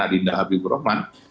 adinda habibur rahman